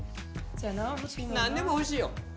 何でもうれしいよ。